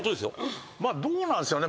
どうなんですかね。